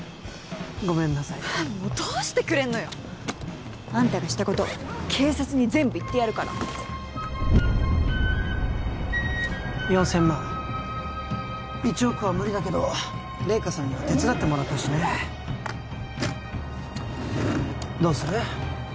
ごめんなさいはあっもうどうしてくれんのよあんたがしたこと警察に全部言ってやるから４０００万１億は無理だけど怜華さんには手伝ってもらったしねどうする？